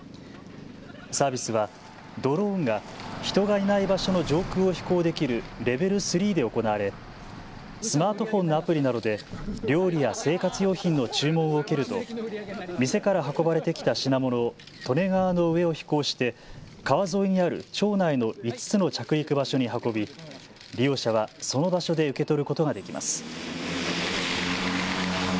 サービスはドローンが人がいない場所の上空を飛行できるレベル３で行われスマートフォンのアプリなどで料理や生活用品の注文を受けると店から運ばれてきた品物を利根川の上を飛行して川沿いにある町内の５つの着陸場所に運び利用者はその場所で受け取ることができます。